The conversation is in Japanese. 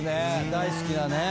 大好きなね。